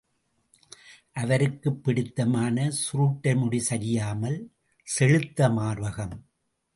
அவருக்குப் பிடித்தமான சுருட்டை முடி சரியாமல், செழுத்த மார்பகம்.